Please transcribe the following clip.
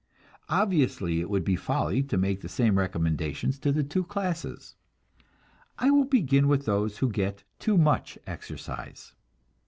Obviously it would be folly to make the same recommendations to the two classes. I begin with those who get too much exercise.